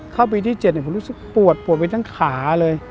เข้าปีที่๗ผมรู้สึกปวดปวดไปทั้งขาเลย